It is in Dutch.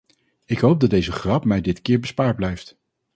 Ik hoop dat deze grap mij dit keer bespaard blijft.